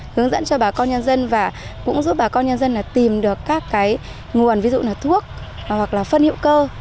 hướng dẫn cho bà con nhân dân và cũng giúp bà con nhân dân tìm được các cái nguồn ví dụ là thuốc hoặc là phân hữu cơ